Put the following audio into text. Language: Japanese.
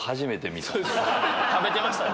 食べてましたね。